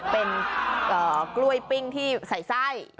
เป็นกล้วยปิ้งที่ใส่ไส้